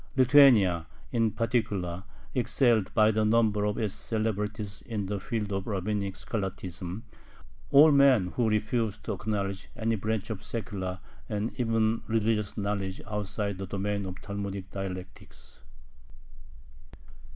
Lithuania, in particular, excelled by the number of its celebrities in the field of rabbinic scholasticism, all men who refused to acknowledge any branch of secular and even religious knowledge outside the domain of Talmudic dialectics.